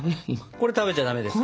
これ食べちゃダメですか？